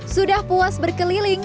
sudah puas berkeliling